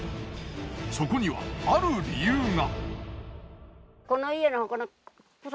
そこにはある理由が。